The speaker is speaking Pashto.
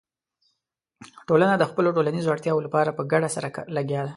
ټولنه د خپلو ټولنیزو اړتیاوو لپاره په ګډه سره لګیا ده.